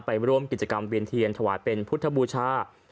ไปร่วมกิจกรรมเวียนเทียนถวายเป็นพุทธบูชา